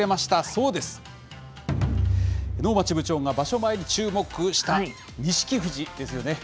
そうです、能町部長が場所前に注目した錦富士ですよね。